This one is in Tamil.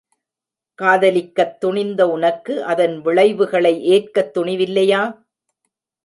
காதலிக்கத் துணிந்த உனக்கு அதன் விளைவுகளை ஏற்கத் துணிவில்லையா?